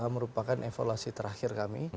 merupakan evaluasi terakhir kami